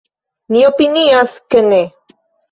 Mi opinias, ke ne.